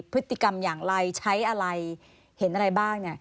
พฤติกรรมอย่างไรใช้อะไรเห็นอะไรบ้าง